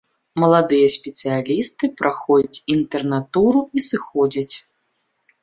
Маладыя спецыялісты праходзяць інтэрнатуру і сыходзяць.